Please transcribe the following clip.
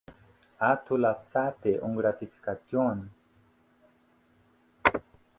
Ha tu lassate un gratification?